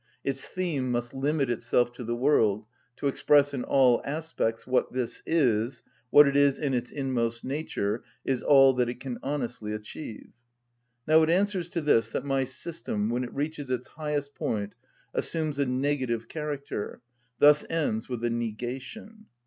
Its theme must limit itself to the world; to express in all aspects what this is, what it is in its inmost nature, is all that it can honestly achieve. Now it answers to this that my system when it reaches its highest point assumes a negative character, thus ends with a negation.